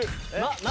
何？